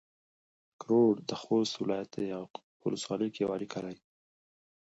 کرړو د خوست ولايت د يعقوبيو په ولسوالۍ کې يو کلی دی